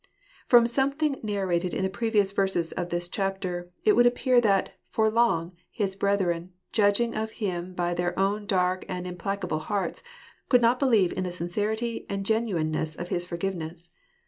From something narrated in the previous verses of this chapter, it would appear that, for long, his brethren, judging of him by their own dark and implacable hearts, could not believe in the sincerity and genuineness of his forgiveness.